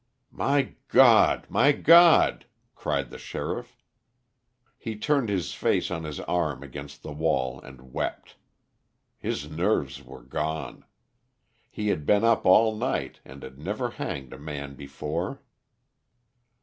"My God! My God!" cried the sheriff. He turned his face on his arm against the wall and wept. His nerves were gone. He had been up all night and had never hanged a man before.